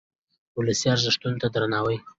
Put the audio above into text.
ولسي ارزښتونو ته درناوی.